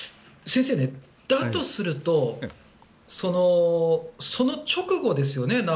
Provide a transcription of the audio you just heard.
先生、だとするとその直後ですよね